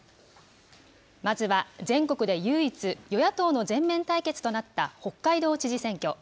まずは全国で唯一、与野党の全面対決となった北海道知事選挙。